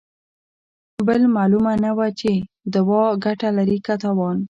بل مالومه نه وه چې دوا ګته لري که تاوان.